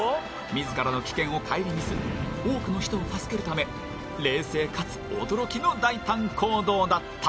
自らの危険を顧みず多くの人を助けるため冷静かつ驚きの大胆行動だった。